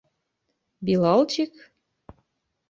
Билалчик?